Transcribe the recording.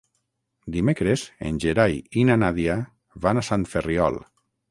Dimecres en Gerai i na Nàdia van a Sant Ferriol.